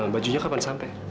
bajunya kapan sampai